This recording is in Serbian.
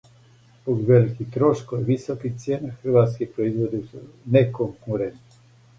Због великих трошкова и високих цијена, хрватски производи су неконкурентни.